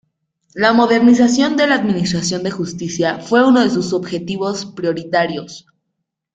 La modernización de la Administración de Justicia fue uno de sus objetivos prioritarios.